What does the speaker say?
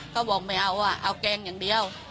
เขาบอกไม่เอาอ่ะเอาแกงอย่างเดียว